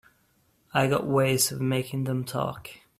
I got ways of making them talk.